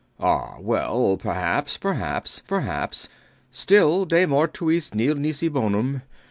B. Ah, well, perhaps, perhaps, perhaps. Still, de mortuis nil nisi bonum.